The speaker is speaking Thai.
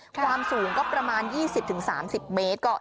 ความสูงก็ประมาณ๒๐๓๐เมตร